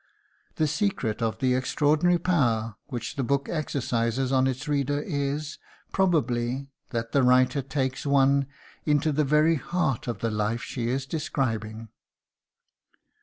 The secret of the extraordinary power which the book exercises on its readers is, probably, that the writer takes one into the very heart of the life she is describing.